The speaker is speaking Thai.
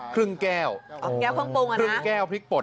ครึ่งแก้วครึ่งแก้วพริกปน